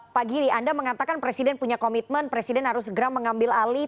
pak giri anda mengatakan presiden punya komitmen presiden harus segera mengambil alih